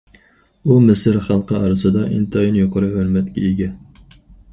ئۇ مىسىر خەلقى ئارىسىدا ئىنتايىن يۇقىرى ھۆرمەتكە ئىگە.